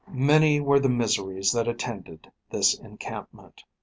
Many were the miseries that attended this encampment.